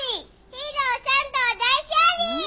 ヒーロー３号大勝利！